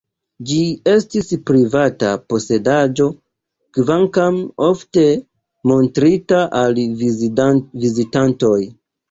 Ĝi estis privata posedaĵo, kvankam ofte montrita al vizitantoj.